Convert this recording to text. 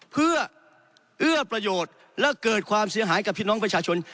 เพื่อเอื้อประโยชน์และเกิดความเสียหายกับพี่น้องประชาชน